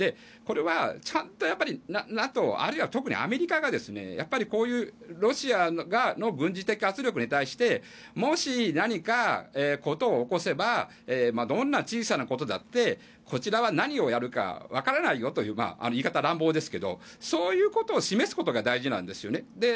これは、ちゃんとＮＡＴＯあるいは特にアメリカがこういうロシアの軍事的圧力に対してもし何か事を起こせばどんな小さなことだってこちらは何をやるか分からないよという言い方は乱暴ですがそういうことを示すことが大事なんですよね。